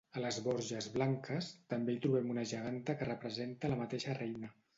A les Borges Blanques, també hi trobem una geganta que representa la mateixa reina.